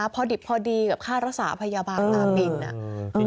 พอดีกับค่ารักษาพยาบาลตามีน